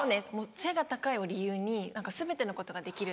背が高いを理由に全てのことができる。